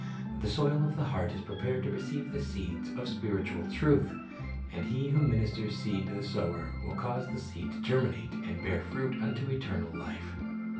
The soil of the heart is prepared to receive the seeds of spiritual truth. And He who ministers seed to the sower will cause the seed to cferminate and bear fruit unto eternal life.